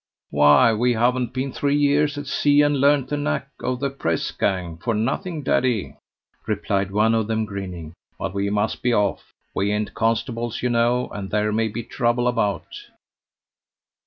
"Why, we haven't been three years at sea and learnt the knack of the press gang for nothing, daddy," replied one of them grinning; "but we must be off; we ain't constables, you know, and there may be trouble about."